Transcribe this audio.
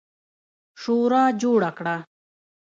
شورا جوړه کړه.